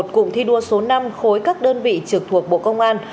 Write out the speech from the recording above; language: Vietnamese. cụm thi đua số năm khối các đơn vị trực thuộc bộ công an